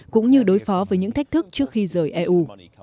cũng như đối phó với những thách thức trước khi rời eu